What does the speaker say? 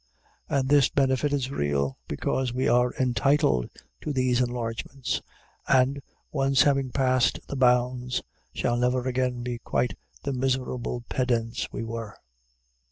And this benefit is real, because we are entitled to these enlargements, and, once having passed the bounds, shall never again be quite the miserable pedants we were.